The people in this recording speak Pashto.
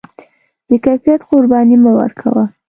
د کیفیت قرباني مه ورکوه.